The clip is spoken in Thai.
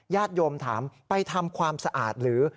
ญาติโยมถามไปทำความสะอาดหรือ